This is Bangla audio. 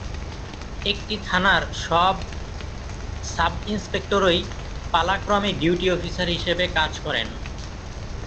একটি থানার সব সাব-ইন্সপেক্টরই পালাক্রমে ডিউটি অফিসার হিসেবে কাজ করেন।